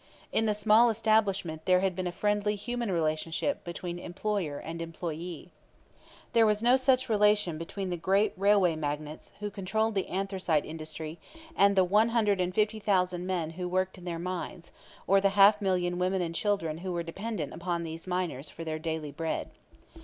In the small establishment there had been a friendly human relationship between employer and employee. There was no such relation between the great railway magnates, who controlled the anthracite industry, and the one hundred and fifty thousand men who worked in their mines, or the half million women and children who were dependent upon these miners for their daily bread.